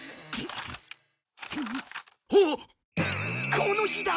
この日だ！